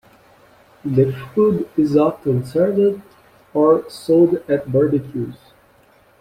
The food is often served or sold at barbecues.